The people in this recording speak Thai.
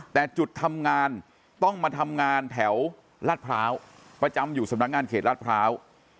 แต่จุดทำงานต้องมาทำงานแถวลาดพร้าวประจำอยู่สำนักงานเขตลาดพร้าว